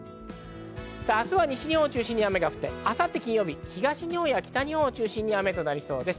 明日は西日本を中心に雨が降って明後日・金曜日、東日本や北日本を中心に雨となりそうです。